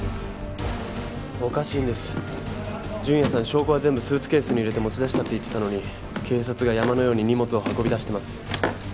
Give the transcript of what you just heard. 証拠は全部スーツケースに入れて持ち出したって言ってたのに警察が山のように荷物を運び出してます。